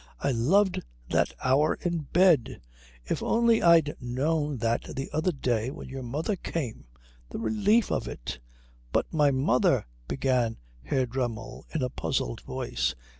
I loved that hour in bed. If only I'd known that the other day when your mother came! The relief of it...." "But my mother " began Herr Dremmel in a puzzled voice.